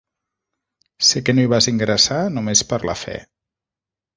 Sé que no hi vas ingressar només per la fe.